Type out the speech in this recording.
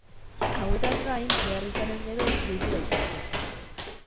Hauetaz gain, behar izanez gero, gehitu daitezke.